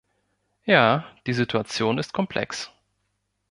Ja, die Situation ist komplex.